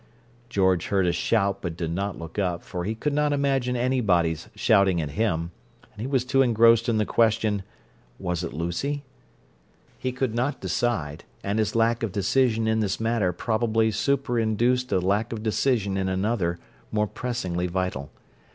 George heard a shout but did not look up, for he could not imagine anybody's shouting at him, and he was too engrossed in the question "Was it Lucy?" He could not decide, and his lack of decision in this matter probably superinduced a lack of decision in another, more pressingly vital.